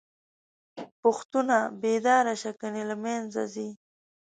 پښتونه!! بيدار شه کنه له منځه ځې